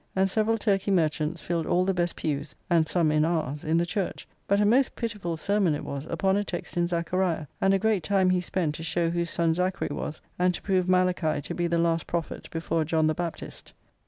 And several Turkey merchants filled all the best pews (and some in ours) in the Church, but a most pitiful sermon it was upon a text in Zachariah, and a great time he spent to show whose son Zachary was, and to prove Malachi to be the last prophet before John the Baptist.